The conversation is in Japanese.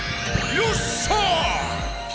よっしゃあ！